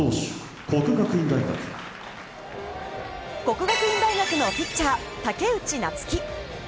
國學院大學のピッチャー武内夏暉。